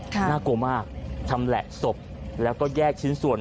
น่ากลัวมากชำแหละศพแล้วก็แยกชิ้นส่วน